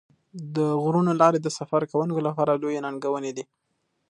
د غرونو لارې د سفر کوونکو لپاره لویې ننګونې دي.